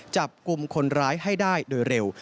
จับกลุ่มคนร้ายให้ได้โดยเร็ว